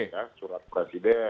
ya surat presiden